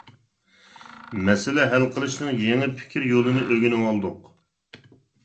مەسىلە ھەل قىلىشنىڭ يېڭى پىكىر يولىنى ئۆگىنىۋالاتتۇق.